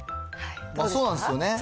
そうなんですよね。